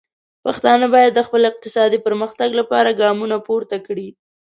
پښتانه باید د خپل اقتصادي پرمختګ لپاره ګامونه پورته کړي.